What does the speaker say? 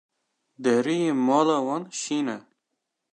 Deriyê mala wan şîn e.